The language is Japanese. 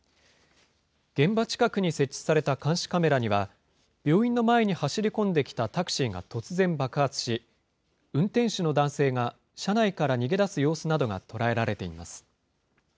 現場近くに設置された監視カメラには、病院の前に走り込んできたタクシーが突然爆発し、運転手の男性が車内から逃げ出す様子などが捉えられています。